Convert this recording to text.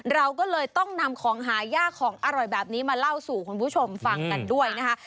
เราก็เลยต้องนำของหายากของอร่อยแบบนี้มาเล่าสู่คุณผู้ชมฟังกันด้วยนะคะ